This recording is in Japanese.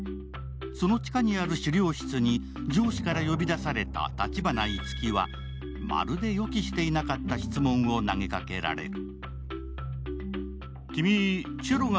その地下にある資料室に上司から呼び出された橘樹は、まるで予期していなかった質問を投げかけられる。